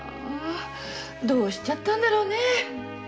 どうしちゃったんだろうねェ？